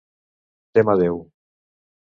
Tem a Déu.